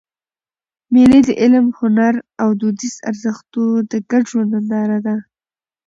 مېلې د علم، هنر او دودیزو ارزښتو د ګډ ژوند ننداره ده.